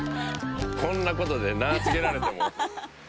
こんなことで名告げられても。